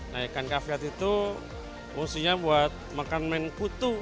nah ikan kafiat itu musuhnya buat makan men kutu